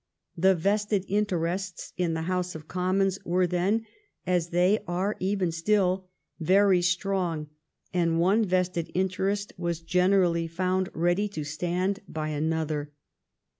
The vested interests in the House of Commons were then, as they are even still, very strong, and one vested interest was generally found ready to stand by another.